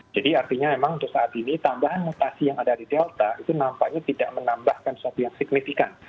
jadi artinya memang untuk saat ini tambahan mutasi yang ada di delta itu nampaknya tidak menambahkan sesuatu yang signifikan